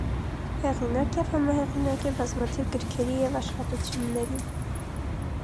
Հեղինակ և համահեղինակ է բազմաթիվ գրքերի և աշխատությունների։